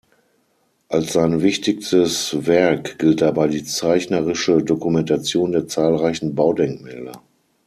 Als sein wichtigstes Werk gilt dabei die zeichnerische Dokumentation der zahlreichen Baudenkmäler.